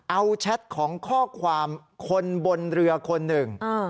เอาแชทของข้อความคนบนเรือคนหนึ่ง